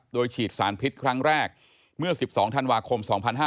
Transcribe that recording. โดยฉีดสารพิษครั้งแรกเมื่อ๑๒ธันวาคม๒๕๕๙